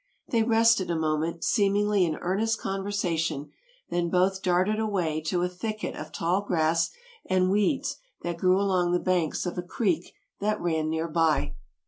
They rested a moment, seemingly in earnest conversation, then both darted away to a thicket of tall grass and weeds that grew along the banks of a creek that ran near by.